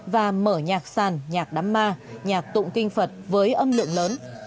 và mở nhạc sàn nhạc đắm ma nhạc tụng kinh phật với âm lượng lớn